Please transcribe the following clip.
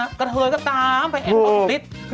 แล้วก็เธอก็ตามในอีกเล่น